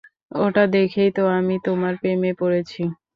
ওটা দেখেই তো আমি তোমার প্রেমে পড়েছি।